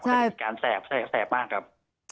มันก็จะมีการแสบแสบมากครับ